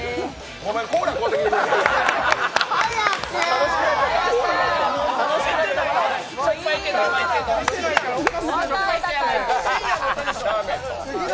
ごめん、コーラ、買うてきてくれる？